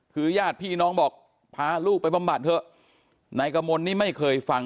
คือญาติพี่น้องบอกพาลูกไปบำบัดเถอะ